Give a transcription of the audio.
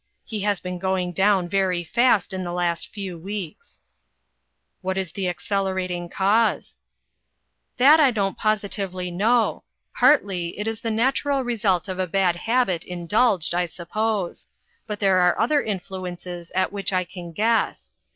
He has been going down very fast in the last few weeks." " What is the accelerating cause ?" "That I don't positively know. Partly, it is the natural result of a bad habit in dulged, I suppose ; but there are other in fluences at which I can guess.